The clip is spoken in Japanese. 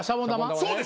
そうです